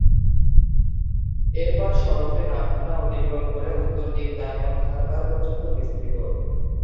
এর পর সড়কটি নামখানা অতিক্রম করে উত্তর দিক ডায়মন্ড হারবার পর্যন্ত বিস্তৃত।